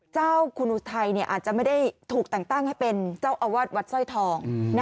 เจ้าคุณอุทัยอาจจะไม่ได้ถูกแต่งตั้งให้เป็นเจ้าอาวาสวัดสร้อยทอง